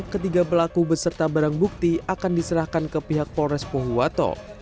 ketiga pelaku beserta barang bukti akan diserahkan ke pihak polres pohuwato